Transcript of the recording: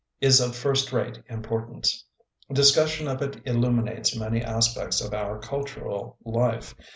— is of first rate importance. Discussion of it illuminates many aspects of our cultural life.